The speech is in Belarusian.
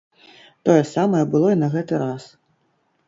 Тое самае было і на гэты раз.